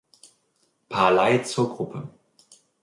Paley" zur Gruppe.